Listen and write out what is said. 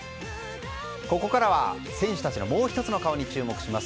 ここからは選手たちのもう１つの顔に注目します。